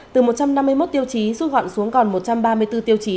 từ một trăm năm mươi một tiêu chí rút gọn xuống còn một trăm ba mươi bốn tiêu chí